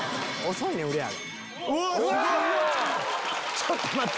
ちょっと待て！